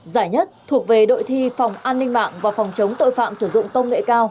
giải nhất thuộc về đội thi phòng an ninh mạng và phòng chống tội phạm sử dụng công nghệ cao